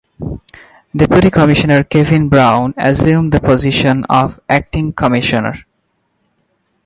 Deputy commissioner Kevin Brown assumed the position of Acting Commissioner.